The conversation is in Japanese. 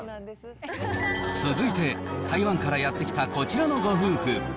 続いて、台湾からやって来たこちらのご夫婦。